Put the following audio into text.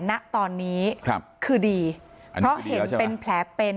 ณตอนนี้คือดีเพราะเห็นเป็นแผลเป็น